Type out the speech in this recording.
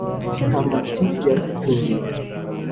intamati yazitoreye